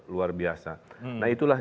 luar biasa nah itulah